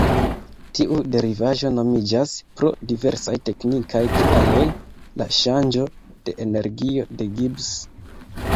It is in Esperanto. Tiu derivaĵo nomiĝas, pro diversaj teknikaj kialoj, la ŝanĝo de energio de Gibbs.